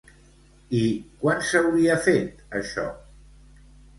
I quan s'hauria fet, això?